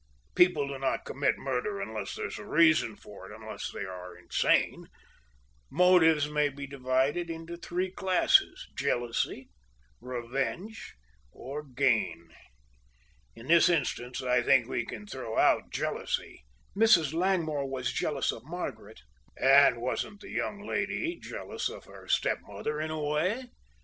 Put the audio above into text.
People do not commit murder unless there is a reason for it or unless they are insane. Motives may be divided into three classes jealousy, revenge, or gain. In this instance I think we can throw out jealousy " "Mrs. Langmore was jealous of Margaret." "And wasn't the young lady jealous of her stepmother in a way?"